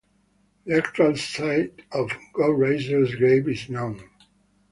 The actual site of Go-Reizei's grave is known.